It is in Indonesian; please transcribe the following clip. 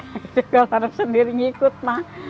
juga harus sendiri ngikut mah